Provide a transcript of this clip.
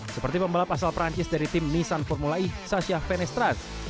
seperti pembalap asal perancis dari tim nissan formula e sasyah venestrat